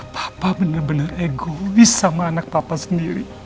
papa bener bener egois sama anak papa sendiri